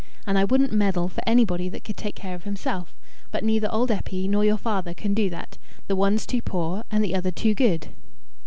And I wouldn't meddle for anybody that could take care of himself. But neither old Eppie nor your father can do that: the one's too poor, and the other too good."